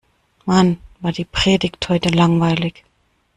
Mann, war die Predigt heute langweilig!